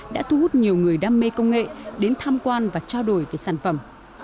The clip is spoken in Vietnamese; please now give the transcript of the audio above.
đã thu hút nhiều người đam mê công nghệ đến tham quan và trao đổi về sản phẩm